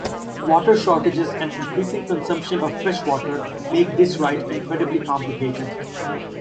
Water shortages and increasing consumption of freshwater make this right incredibly complicated.